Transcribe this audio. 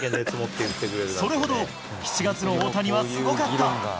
それほど７月の大谷はすごかった。